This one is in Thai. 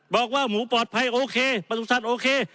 บอกว่าหมูปลอดภัยโอเคประสุทธิ์โอเค